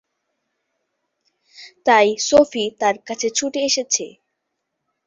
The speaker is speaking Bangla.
তাই সোফি তার কাছে ছুটে এসেছে।